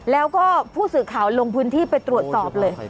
แล้วก็ผู้สื่อข่าวลงพื้นที่ไปตรวจสอบเลย